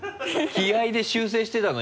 気合で修正してたの？